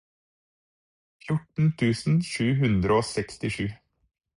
fjorten tusen sju hundre og sekstisju